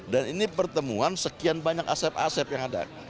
dan ini pertemuan sekian banyak asep asep yang ada